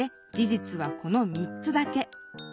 じつはこの３つだけ。